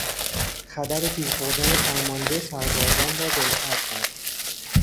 خبر تیر خوردن فرمانده سربازان را دلسرد کرد.